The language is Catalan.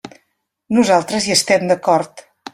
Nosaltres hi estem d'acord.